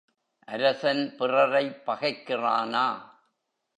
அரசன் பிறரைப் பகைக்கிறானா?